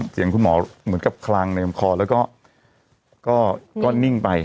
เสียงคุณหมอเหมือนกับคลังในลำคอแล้วก็นิ่งไป